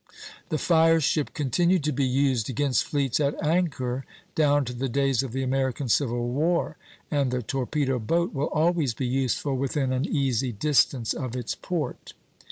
The fire ship continued to be used against fleets at anchor down to the days of the American Civil War; and the torpedo boat will always be useful within an easy distance of its port.